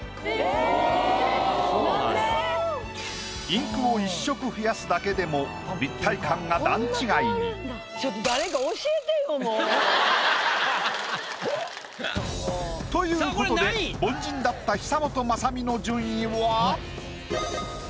インクを１色増やすだけでも立体感が段違いに。ということで凡人だった久本雅美の順位は。